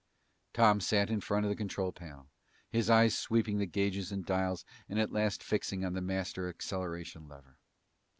Tom sat in front of the control panel, his eyes sweeping the gauges and dials and at last fixing on the master acceleration lever.